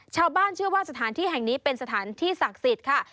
ชาวบ้านเชื่อว่าสถานที่แห่งนี้เป็นสถานที่ศักดิ์สิทธิ์ค่ะ